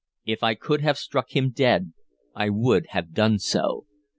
If I could have struck him dead, I would have done so.